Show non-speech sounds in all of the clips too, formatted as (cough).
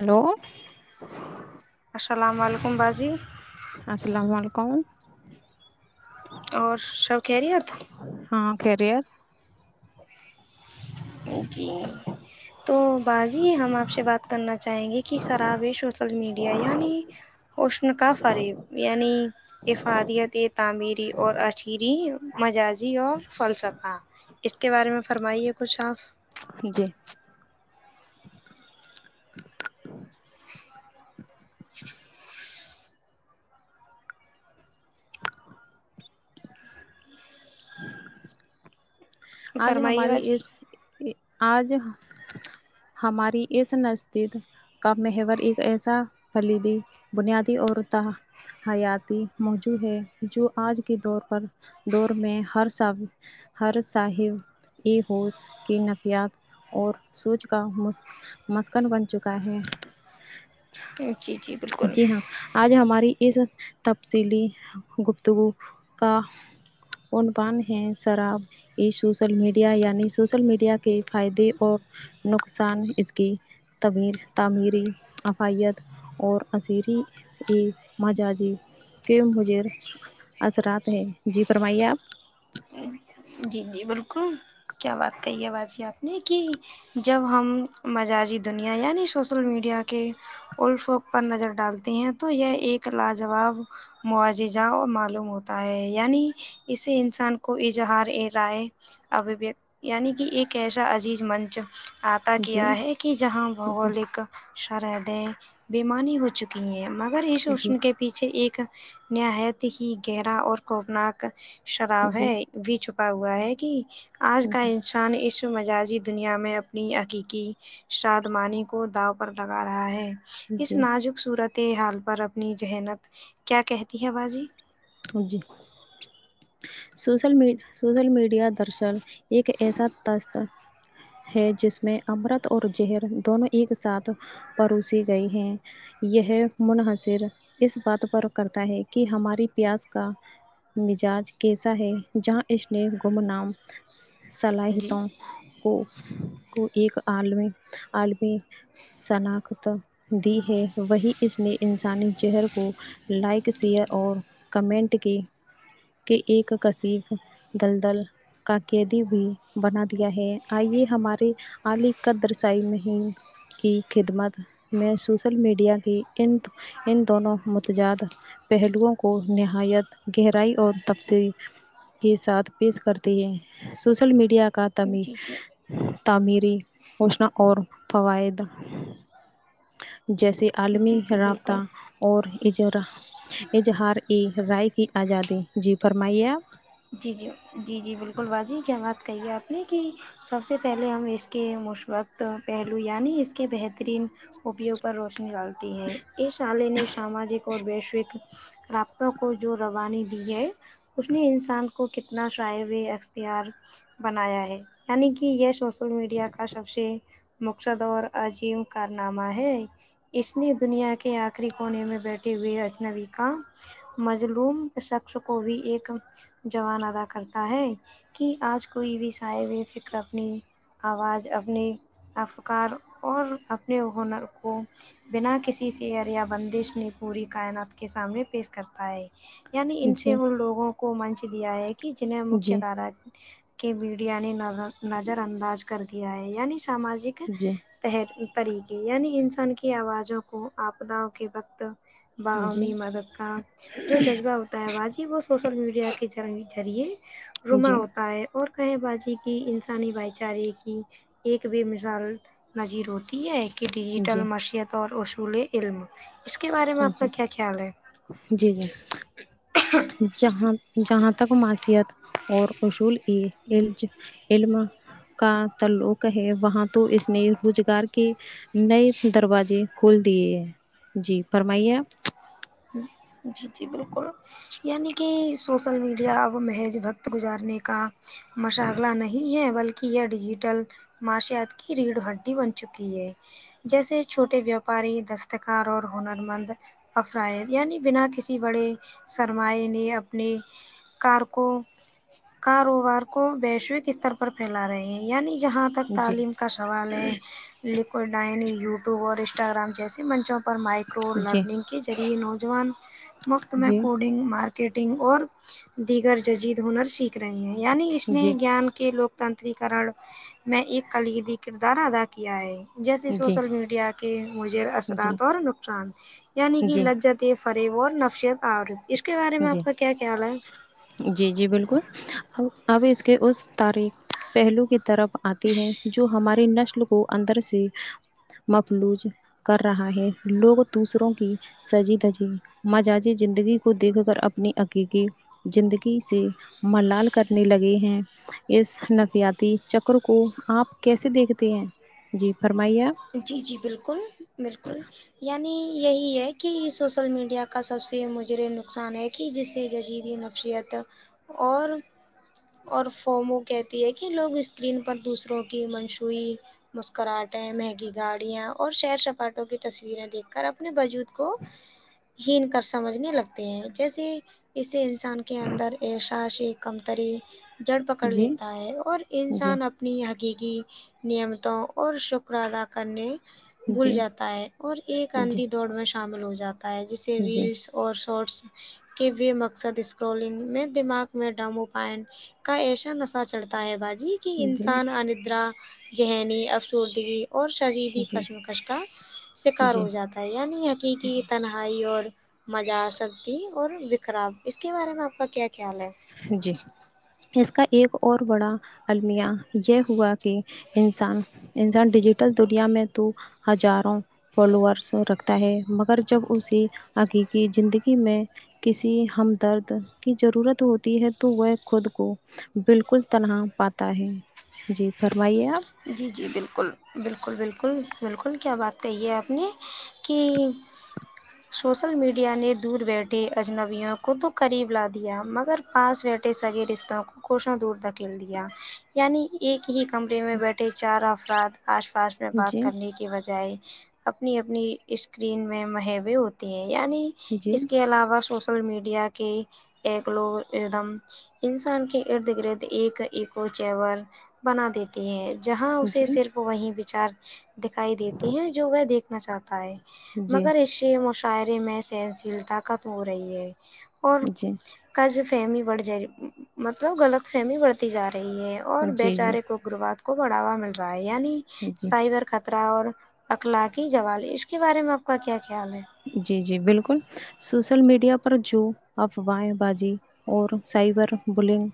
hello السلام علیکم باجی السلام و علیکم اور سب خیریت ہاں خیریت جی تو باجی ہم آپ سے بات کرنا چاہیں گے کہ سراوش سوسل میڈیا یعنی حشن کا فریب یعنی افادیت یہ تعمیری اور اری مجازی اور فلسفہ اس کے بارے میں فرمائیے کچھ آپ جی آج فرمائیے ہماری اس باجی آج ہماری اس نزدید کا مہور ایک ایسا خلیدی بنیادی اور ت حیاتی موجو ہے جو آج کے دور پر دور میں ہر سال ہر (unintelligible) مسکن بن چکا ہے جی جی بالکل جی ہاں آج ہماری اس تفصیلی گفتگو کا عنوان ہے شراب یہ سوشل میڈیا یعنی سوشل میڈیا کے فائدے اور نقصان اس کی تمییر تعمیری افائیت (unintelligible) اثرات ہے جی فرمائیے آپ ہ جی جی بالکل کیا بات کہی ہے باجی آپ نے کہ جب ہم مزجی دنیا یعنی سوشل میڈیا کے الفوک پر نظر ڈالتے ہیں تو یہ ایک لاجواب معاجزا اور معلوم ہوتا ہے یعنی اسے انسان کو اظہار ا رائے ابویک یعنی کہ ایک ایسا عزیز منچ عطا جی کیا ہے کہ جہاں جی بھگولک شرحدیں بیمانی ہو چکی کہ مگر یہ جی شوشم کے پیچھے ایک نہایت ہی گہرا اور خوفناک شراب جی جی بھی چکا ہوا ہے کہ آج کا انسان اس مجازی دنیا میں اپنی حقیقی شادمانی کو داؤ پر لگا رہا ہے اس جی نازک صورت حال پر اپنی جنہات کیا کہتی ہے باجی جی سوشل می سوشل میڈیا دراصل ایک ایسا تاس تھا ہے جس میں امرت اور زہر دونوں ایک ساتھ پروسی گئی ہیں یہ منحصر اس بات پر کرتا ہے کہ ہماریے پیاس کا مزاج کیسا ہے جہاں اس نے گم نام جی صلاحیتوں کو کو ایک عالمی عالمی شناخت دی ہے وہی اس نے انسانی زہر کو لائک شیئر اور کمنٹ کی کہ ایک کصف دلدل کا قیدی بھی بنا دیا ہے آئیے ہمارے (unintelligible) کی خدمت میں سوشل میڈیا کی ان ان دونوں متجاد پہلوں کو نہایت گہرائی اور تفصیل کے ساتھ پیش کرتے ہیں سوشل میڈیا کا تمی جی جی تعمیری ہووشناہ اور فوائد جیسے عالمی جی جی رابطہ بالکل اور اظہار ایک رائے کی آزادی جی فرمائیے آپ جی جی جی جی بالکل باجی کیا بات کہی ہے آپ نے کی سب سے پہلے ہم اس کے مشبقت پہلو یعنی اس کے بہترین اپیوگ پر روشنی ڈالتی ہے اس الے نے ساماجک اور ویشوک رابطوں کو جو روانیے دی ہے اس نے ان سے انسان کو کتنا شائعب اختیار بنایا ہے یعنی کہ یہ سوشل میڈیا کا سب سے مقصد اور عظیم کارنامہ ہے اس نے دنیا کے آخری کونے میں بیٹھے ہوئے اجنبی کا مظلوم شخص کو بھی ایک جوان ادا کرتا ہے کہ آج کوئی بھی سائے ہوئے فکر اپنی آواز اپنے افکار اور اپنے ہنر کو بنا کسی سیئر یا بندش نے پوری کائنات کے سامنے پیش کرتا ہے یعنی ان سے جی ان لوگوں کو منچ دیا ہے کہ جنہیں مکہ جی دھارا کے میڈیا نے نظر انداز کر دیا ہے یعنی ساماجک جی طریقے یعنی انسان کی آوازوں کو آپداؤں کے وقت جی باہمی مدد کا جو جذبہ ہوتا ہے واہ جی وہ سوشل میڈیا جی (unintelligible) بازی کی انسانی بھائی چارے کی ایک بے مثال نذیر ہوتی ہے کہ ڈیجیٹل جی معیشت اورحصول علم اس کے بارے میں آپ کا جی کیا خیال ہے جی جی جہاں جہاں تک معاشیت اورحصول کی الج علم کا تعلق ہے وہاں تو اس نے روزگار کے نئے دروازے کھول دیے ہیں جی فرمائیے آپ جی جی بالکل یعنی کہ سوسل میڈیا وہ محض وقت گزارنے کا مشغلہ نہیں ہے بلکہ کی یہ ڈیجیٹل معاشیات کی ریڑھ ہڈی بن چکی ہے جیسے چھوٹے ویاپاری دستکار اور ہنرمند یعنی بنا کسی بڑے سرمائے نے اپنے کار کو کاروبار کو ویشوک استر پر پھیلا رہے ہیں یعنی جہاں تک جی تعلیم کا سوال ہے یوٹیوب اور انسٹاگرام جیسے من چاہے مائکرو جی لرننگ کے ذریعے نوجوان مفت میں جی کوی مارکیٹنگ اور دیگر جدید ہنر سیکھ یعنی جی اسنے جی گیان کے لوگ تنترییکن میں ایک کلیدی کردار ادا کیا ہے جیسے جی سوشل میڈیا کہ مضر اثرات اور نقصان یعنی کہ جی لگ جدید فریب اور نفرت آر اس کے بارے میں جی آپ کا کیا خیال ہے جی جی بالکل آب اس کے اس تاریک پہلو کی طرف آتے ہیں جو ہماری نسل کو اندر سے مفلوج کر رہا ہے لوگ دوسروں کی سجی دھجی مزاجی زندگی کو دیکھ کر اپنی حقیقی زندگی سے ملال کرنے لگے ہیں اس نفسیاتی چکر کو آپ کیسے دیکھتے ہیں جی فرمائیے آپ جی جی بالکل بالکل یعنی یہی ہے کہ سوشل میڈیا کا سب سے مجرم نقصان ہے کہ جس سے زری بھی نفسیاتی اور اور فومو کہتی ہے کہ لوگ اسکرین پر دوسروں کی منشوی مسکراہٹیں میں گاڑیاں اور سیر سپاٹوں کی تصویریں دیکھ کر اپنے وجود کو ان کا سمجھنے لگتے ہیں جیسے اسی انسان کے اندر ااحساس کمتری جڑ پکڑ جی لیتا ہے اور جی انسان اپ اپنی حقیقی نعمتوں اور شکر ادا کرنے بھول جی جی جاتا ہے اور ایک جی آندھی دوڑ میں شامل ہو جاتا ہے جسے ریلس اور شارٹس کے بھی مقصد اسکرولنگ میں دماغ میں ڈپومائن کا ایسا نشہ چڑھتا ہے باجی کہ جی انسان اندر ذہنی افسردگی اور شدید ہی جی کشمکش کا شکار ہو جی جاتا ہے یعنی حقیقی تن ائی اور (unintelligible) اس کے بارے میں آپ کا کیا خیال ہے جی اس کا ایک اور بڑا المیہ یہ ہوا کہ انسان انسان ڈیجیٹل دنیا میں تو ہزاروں فالوورس رکھتا ہے مگر جب اسے حقیقی زندگی میں کسی ہمدرد کی ضرورت ہوتی ہے تو وہ خود کو بالکل تنہا پاتا ہے جی فرمائیے آپ جی جی بالکل بالکل بالکل بالکل کیا بات کہی ہے آپ نے کہ سوشل میڈیا نے دور بیٹھے اجنبیوں کو تو قریب لا دیا مگر پاس بیٹھے سگے رشتوں کو کشوں دور دھکیل دیا یعنی ایک ہی کمرے میں بیٹھے چار افراد آس پاس میں بات جی کرنے کے بجائے اپنی اپنی اسکرین میں مہیویں ہوتی ہیں یعنی جی اس کے علاوہ سوشل میڈیا کے ایکلو ادم انسان کے ارد گرد ایک ایکو چیور بنا دیتی ہے جہاں جی اسے جی صرف وہی بچار دکھائی دیتے ہے جو وہ دیکھنا چاہتا ہے جی مگر اسے مشاہعرے میں سہنشیلتا خت ہو رہی ہے اور جی قج فہمی بڑھ جائے رہی مطلب غلط فہمی بڑھتی جا رہی ہے اور جی وچارک اگگرواد کو بڑھاوا مل رہا ہے یعنی جی سائبر خطرہ اور اقلاقی جوالی اش کے بارے میں آپ کا کیا خیال ہے جی جی بالکل سوشل میڈیا پر جو افواہیں باجی اور سائبر بلنگ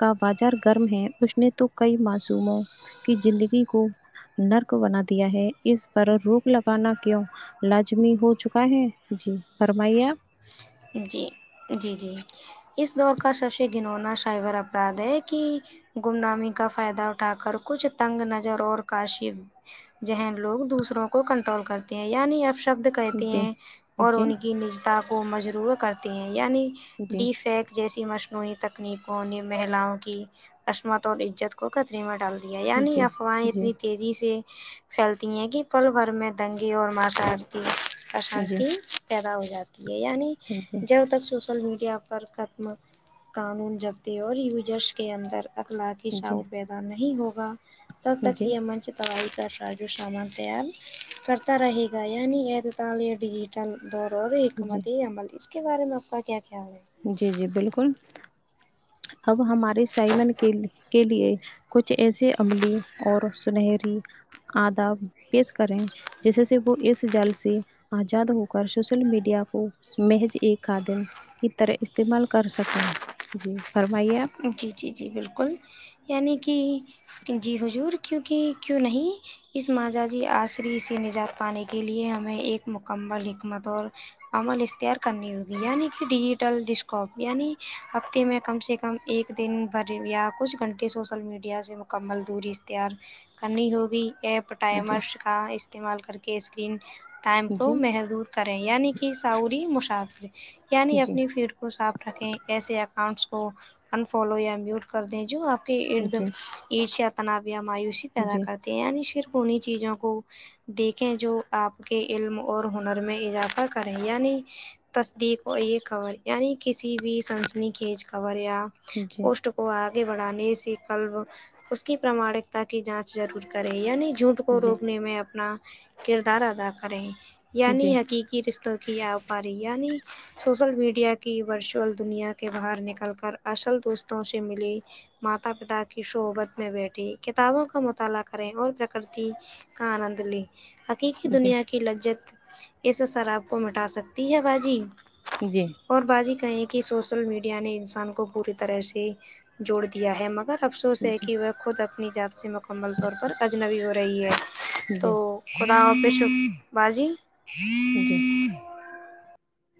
کا بازار گرم ہے اس نے تو کئی معصوموں کی زندگی کو نرک بنا دیا ہے اس پر روک لگانا کیوں لازمی ہو چکا ہے جی فرمائیے آپ جی جی جی اس دور کا سب سے گنونا شائور اپراد ہے کہ گمنامی کا فائدہ اٹھا کر کچھ تنگ نظر اور کاشی جہن لوگ دوسروں کو کنٹرول کرتے ہیں یعنی آپش شبد آپ کہتی جی ہیں اور جی ان کی نجتا کو مجرور کرتی ہیں یعنی جی ڈی فیک جیسی مصنوعی تکنیکوں نے مہیلاؤں کی عصمت اور عزت کو کو کتری میں ڈال دیا جی یعنی جی افواہیں جی اتنی تیزی سے پھیلتی ہیں کہ پل بھر میں دنگے اور ماتا جی جی اشانتی پیدا ہو جاتی ہے یعنی جب تک سوشل میڈیا کو پر ختم قانون جبتے اور یوجرس کے اندر اخلاقی شاع جی بیت نہیں ہوگا تب تک جی یہ منچ ائی کر رہا شاجو سامان تیار کرتا رہے گا یعنی یہ تو (unintelligible) ت لیے ڈج دور اور جی حکمتی عمل اس کے بارے میں آپ کا کیا خیال ہے جی جی بالکل اب ہمارے سائمن کے کے لیے کچھ ایسے عملی اور سنہری آداب پیش کریں جیسے سے وہ اس جل سے آزاد ہو کر سوشل میڈیا کو محج ایک قدم کی طرح استعمال کر سکیں جی فرمائیے آپ جی جی جی بالکل یعنی کہ جی ہجور کیونکہ کیوں نہیں اس مجاجی آصری سے نجات پانے کے لیے ہمیں ایک مکمل حکمت اور عمل اختیار کرنی ہوگی یعنی کہ ڈیجیٹل ڈ اسکپ یعنی ہفتے میں کم سے کم کم ایک دن بھر یا کچھ گھنٹے سوسل میڈیا سے مکمل دوری اختیار کرنی ہوگی ایپ جی ٹائمرس کا استعمال کر کے اسکرین ٹائم کو جی محدود کریں یعنی کہ ساعوری مشارے یعنی جی جی اپنی فیڈ کو کو صاف رکھیں ایسے اکاؤنٹس کو انفالو یا میوٹ کر دیں جو آپ کے ارد جی ارد یا تناب یا مایوسی پیدا جی کرتے ہیں یعنی صرف انہیں چیزوں کو دیکھیں جو آپ کے علم اور ہنر میں اضافہ کریں یعنی تصدیق اور یہ کور یعنی کسی بھی سنسنی کج کور یا جی جی پوسٹ آگے بڑھانے سے کلب اس کی پراماانکتا کی جانچ ضرور کریں یعنی جھوٹ کو جی روکنے میں اپنا کردار ادا کریں یعنی جی حقیقی رشتوں کی آپ یعنی سوشل میڈیا کی ورچوئل دنیا کے باہر نکل کر اصل دوستوں سے ملیے ماتا پتا کی شوبت میں بیٹھےکتابوں کا مطالعہ کریں اور پرکرتی ہاں نند لی حقیقی دنیا کی لجت اس شراب کو مٹا سکتی ہے باجی جی اور باجی کہیں کہ سوشل میڈیا نے انسان کو پوری طرح سے جوڑ دیا ہے مگر افسوس ہے کہ وہ خود اپنی ذات سے مکمل طور پر اجنبی ہو رہی ہے تو جی خدا حافظ باجی جی ہوں